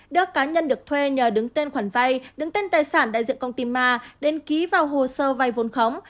đưa cá nhân được thuê nhờ đứng tên khoản vai đứng tên tài sản đại diện công ty ma đền ký vào hồ sơ vai vốn khống